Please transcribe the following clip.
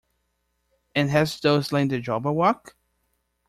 And hast thou slain the Jabberwock?